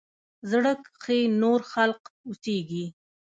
زړه کښې نور خلق اوسيږي